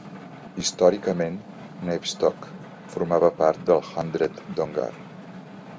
Històricament, Navestock formava part del "hundred" d'Ongar.